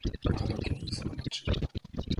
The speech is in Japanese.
長野県飯綱町